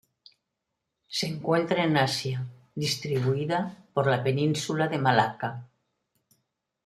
Se encuentra en Asia, distribuida por la península de Malaca.